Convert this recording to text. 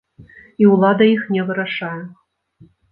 І ўлада іх не вырашае.